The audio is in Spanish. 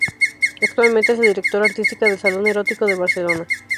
Actualmente es la Directora artística del Salón erótico de Barcelona.